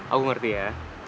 aku ngerti ya